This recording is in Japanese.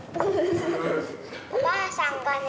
おばあさんがね